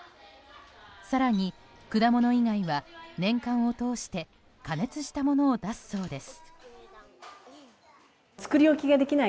更に、果物以外は年間を通して加熱したものを出すそうです。